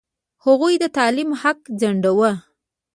هغوی د تعلیم حق ځنډاوه.